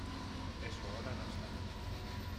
Eso ahora no está.